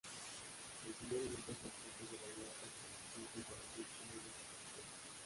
El dinero y otros objetos de valor pertenecientes a las víctimas desaparecieron.